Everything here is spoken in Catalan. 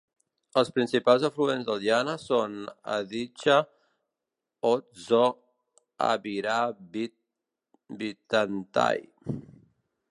Els principals afluents del Yana són: Adycha, Oldzho, Abyrabyt, Bytantay.